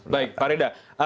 baik pak rida